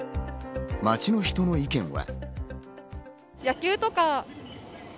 街の人の意見は。